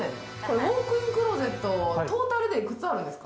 ウオークインクローゼット、トータルで幾つあるんですか？